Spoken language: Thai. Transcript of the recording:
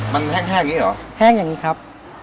มันแห้งอย่างนี้เหรอแห้งอย่างนี้ครับ